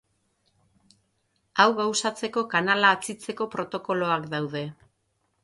Hau gauzatzeko kanala atzitzeko protokoloak daude.